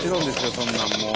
そんなんもう。